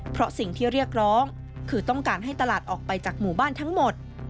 เพราะสิ่งที่เรียกร้องคือต้องการให้ตลาดออกไปจากหมู่บ้านทั้งหมด